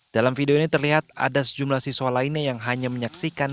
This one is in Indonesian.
dalam video ini terlihat ada sejumlah siswa lainnya yang hanya menyaksikan